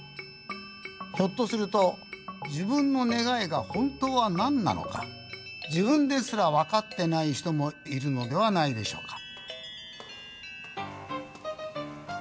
ひょっとすると自分の願いが本当は何なのか自分ですら分かってない人もいるのではないでしょうか。